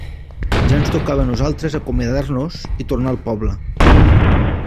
Ja ens tocava a nosaltres acomiadar-nos i tornar al poble.